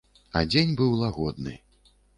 А дзень быў лагодны.